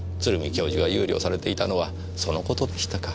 教授が憂慮されていたのはそのことでしたか。